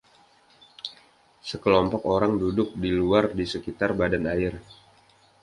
Sekelompok orang duduk di luar di sekitar badan air.